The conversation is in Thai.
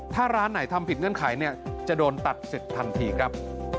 ถ้าร้านไหนทำผิดเงื่อนไขเนี่ยจะโดนตัดสิทธิ์ทันทีครับ